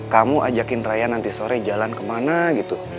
kamu ajakin raya nanti sore jalan kemana gitu